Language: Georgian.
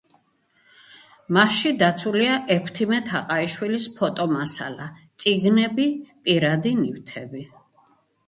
მასში დაცულია ექვთიმე თაყაიშვილის ფოტომასალა, წიგნები, პირადი ნივთები.